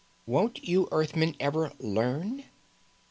"Won't you Earthmen ever learn?"